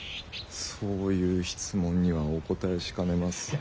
そういう質問にはお答えしかねます。